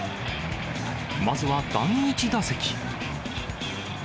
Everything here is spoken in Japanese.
まずは第１打席。